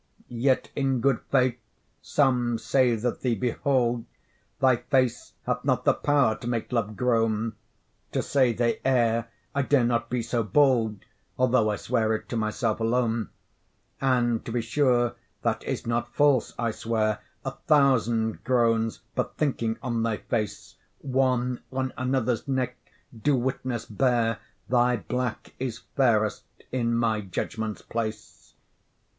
Yet, in good faith, some say that thee behold, Thy face hath not the power to make love groan; To say they err I dare not be so bold, Although I swear it to myself alone. And to be sure that is not false I swear, A thousand groans, but thinking on thy face, One on another's neck, do witness bear Thy black is fairest in my judgment's place.